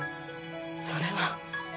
それは。